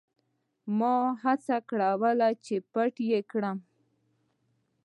ما به هڅه کوله چې پټ یې کړم.